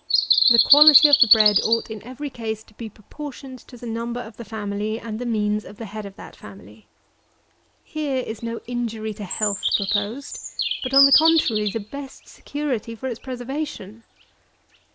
The quality of the bread ought, in every case, to be proportioned to the number of the family and the means of the head of that family. Here is no injury to health proposed; but, on the contrary, the best security for its preservation.